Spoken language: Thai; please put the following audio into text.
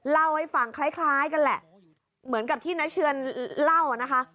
เล่าให้ฟังคล้ายกันแหละเหมือนกับที่น้าเชือนเล่านะคะ